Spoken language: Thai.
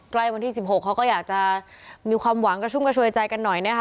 ใกล้วันที่๑๖เขาก็อยากจะมีความหวังกระชุ่มกระชวยใจกันหน่อยนะคะ